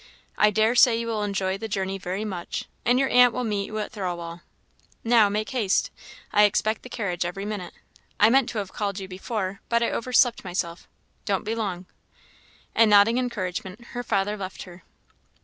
I dare say you will enjoy the journey very much; and your aunt will meet you at Thirlwall. Now, make haste I expect the carriage every minute. I meant to have called you before, but I overslept myself. Don't be long." And nodding encouragement, her father left her.